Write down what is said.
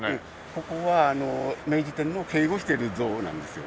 ここは明治天皇を警護してる像なんですよ。